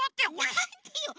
なんでよ。